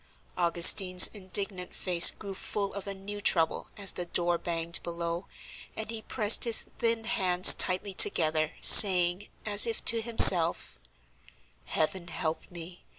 Augustine's indignant face grew full of a new trouble as the door banged below, and he pressed his thin hands tightly together, saying, as if to himself: "Heaven help me!